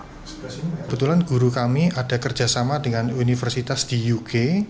kebetulan guru kami ada kerjasama dengan universitas di uk